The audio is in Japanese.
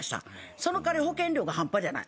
その代わり保険料半端じゃない。